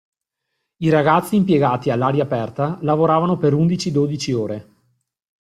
I ragazzi impiegati all'aria aperta lavoravano per undici-dodici ore.